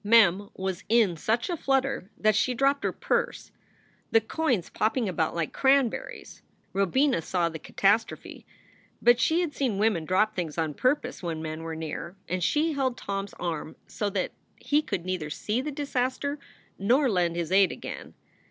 Mem was in such a flutter that she dropped her purse, the coins popping about like cranberries. Robina saw the catastrophe, but she had seen women drop things on pur pose when men were near, and she held Tom s arm so that he could neither see the disaster nor lend his aid again.